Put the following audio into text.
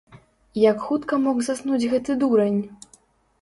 Як хутка мог заснуць гэты дурань?